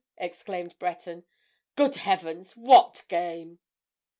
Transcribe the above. exclaimed Breton. "Good heavens—what game?"